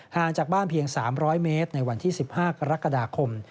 ห่างจากบ้านเพียง๓๐๐เมตรในวันที่๑๕กรกฎาคม